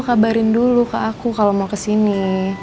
kabarin dulu ke aku kalo mau kesini